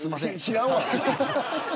知らんわ。